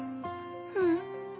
うん。